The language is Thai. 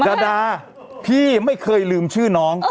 ดาดาพี่ไม่เคยลืมชื่อน้อง